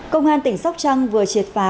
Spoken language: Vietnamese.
công an tỉnh sóc trăng vừa triệt phá